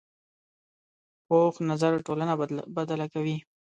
پوخ نظر ټولنه بدله کوي